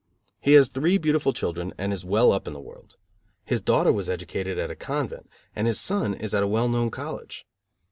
He has three beautiful children and is well up in the world. His daughter was educated at a convent, and his son is at a well known college.